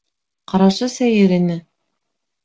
Ҡарашы сәйер ине.